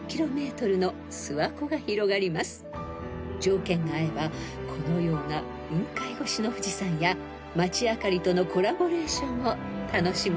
［条件が合えばこのような雲海越しの富士山や街明かりとのコラボレーションを楽しむことができます］